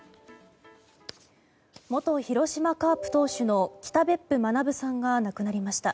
元広島カープ投手の北別府学さんが亡くなりました。